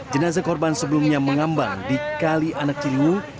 jenazah korban sebelumnya mengambang di kali anak ciliwung